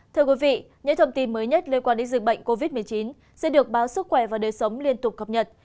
thưa quý vị những thông tin mới nhất liên quan đến dịch bệnh covid một mươi chín sẽ được báo sức khỏe và đời sống liên tục cập nhật